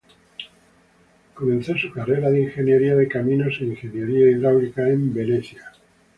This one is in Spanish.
Comenzó su carrera de ingeniería de caminos e ingeniería hidráulica en Venecia.